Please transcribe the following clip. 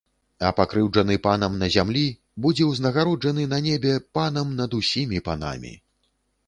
А пакрыўджаны панам на зямлі будзе ўзнагароджаны на небе панам над усімі панамі.